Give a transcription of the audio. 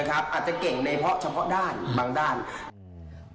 อาจจะเก่งในเพาะเฉพาะด้านบางด้าน